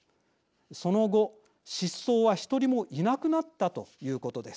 その後失踪は１人もいなくなったということです。